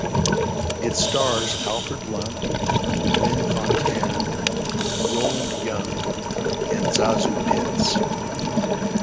It stars Alfred Lunt, Lynn Fontanne, Roland Young and ZaSu Pitts.